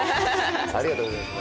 ありがとうございます